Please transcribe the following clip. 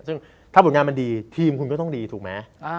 ซึ่งถ้าผลงานมันดีทีมคุณก็ต้องดีถูกไหม